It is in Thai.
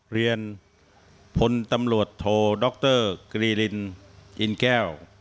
เรียนพลตำรวจโทดรกรีรินอินแก้ว